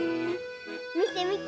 みてみて！